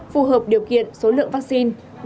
phù hợp điều kiện số lượng vaccine